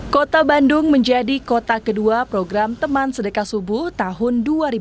kota bandung menjadi kota kedua program teman sedekah subuh tahun dua ribu dua puluh